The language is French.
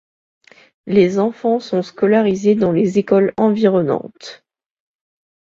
Les enfants sont scolarisés dans les écoles environnantes.